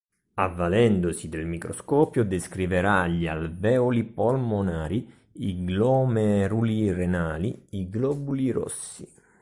Avvalendosi del microscopio descriverà gli alveoli polmonari, i glomeruli renali, i globuli rossi.